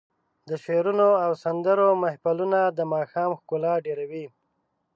د شعرونو او سندرو محفلونه د ماښام ښکلا ډېروي.